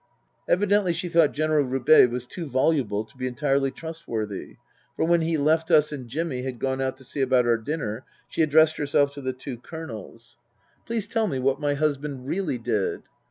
Evidently she thought General Roubaix was too voluble to be entirely trustworthy, for, when he left us and Jimmy had gone out to see about our dinner, she addressed herself to the two Colonels. 298 Tasker Jevons " Please tell me what my husband really did."